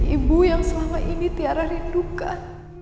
ibu yang selama ini tiara rindukan